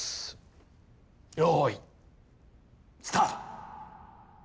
用意スタート。